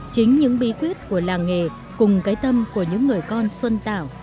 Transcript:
chính những bí quyết của làng nghề cùng cái tâm của những người con xuân tạo